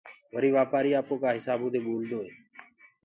وري وآپآري آپوڪآ هسابو دي ٻولدوئي